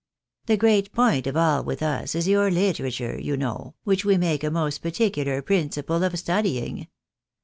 The great point of all with us is your literature, you know, which we make a most particular principle of studying.